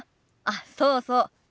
あっそうそう。